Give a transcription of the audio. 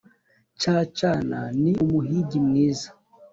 Cacana ni umuhigi mwiza